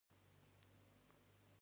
مځکه که ماته شي، ژوند له منځه ځي.